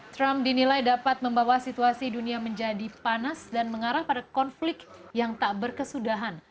trump dinilai dapat membawa situasi dunia menjadi panas dan mengarah pada konflik yang tak berkesudahan